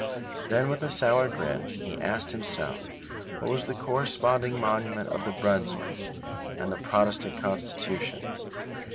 Then with a sour grin he asked himself what was the corresponding monument of the Brunswicks and the Protestant Constitution.